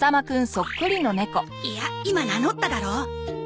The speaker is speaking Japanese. いや今名乗っただろ？